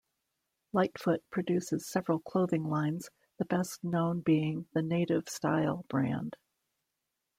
Litefoot produces several clothing lines the best known being the "Native Style" brand.